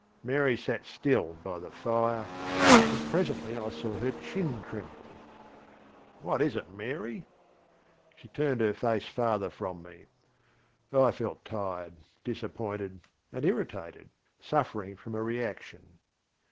Mary sat still by the fire, and presently I saw her chin tremble. ŌĆśWhat is it, Mary? ŌĆÖ She turned her face farther from me. I felt tired, disappointed, and irritatedŌĆösuffering from a reaction.